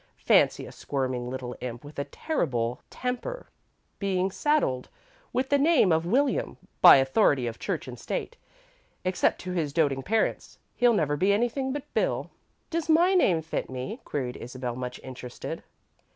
Fancy a squirming little imp with a terrible temper being saddled with the name of 'William,' by authority of Church and State. Except to his doting parents, he'll never be anything but 'Bill.'" "Does my name fit me?" queried Isabel, much interested.